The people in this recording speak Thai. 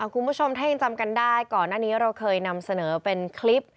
คุณผู้ชมถ้ายังจำกันได้ก่อนหน้านี้เราเคยนำเสนอเป็นคลิป